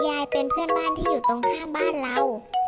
ยายเป็นเพื่อนบ้านที่อยู่ตรงข้ามบ้านเรา